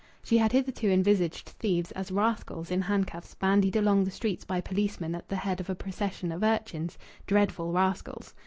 She had hitherto envisaged thieves as rascals in handcuffs bandied along the streets by policemen at the head of a procession of urchins dreadful rascals!